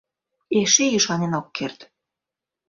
Эше ӱшанен ок керт.